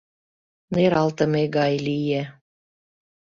Нералтыме гай лие.